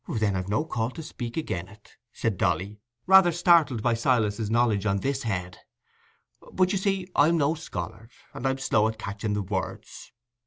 "Then I've no call to speak again' it," said Dolly, rather startled by Silas's knowledge on this head; "but you see I'm no scholard, and I'm slow at catching the words.